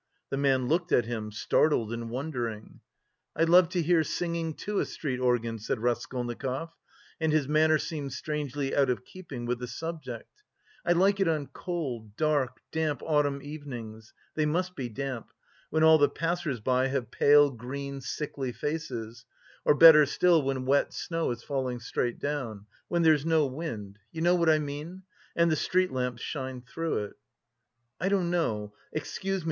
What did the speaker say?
The man looked at him, startled and wondering. "I love to hear singing to a street organ," said Raskolnikov, and his manner seemed strangely out of keeping with the subject "I like it on cold, dark, damp autumn evenings they must be damp when all the passers by have pale green, sickly faces, or better still when wet snow is falling straight down, when there's no wind you know what I mean? and the street lamps shine through it..." "I don't know.... Excuse me..."